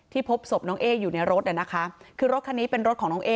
พบศพน้องเอ๊อยู่ในรถนะคะคือรถคันนี้เป็นรถของน้องเอ๊